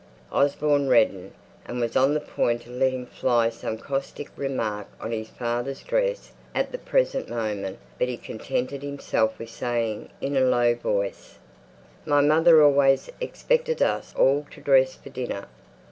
Osborne reddened, and was on the point of letting fly some caustic remark on his father's dress at the present moment; but he contented himself with saying, in a low voice, "My mother always expected us all to dress for dinner.